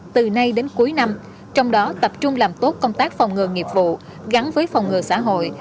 từ nay đến cuối năm trong đó tập trung làm tốt công tác phòng ngừa nghiệp vụ gắn với phòng ngừa xã hội